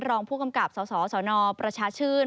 รองผู้กำกับสสนประชาชื่น